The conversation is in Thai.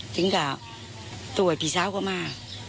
จึงกลับจอยพี่สาวก็มา